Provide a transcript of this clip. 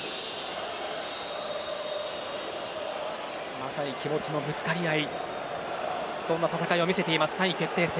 まさに気持ちのぶつかり合いそんな戦いを見せている３位決定戦